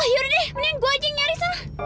yaudah deh mendingan gue aja yang nyari sana